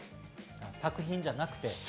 作品じゃなくて。